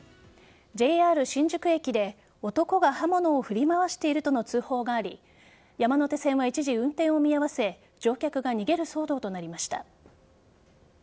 ＪＲ新宿駅で男が刃物を振り回しているとの通報があり山手線は一時運転を見合わせ乗客が逃げる騒動となりました。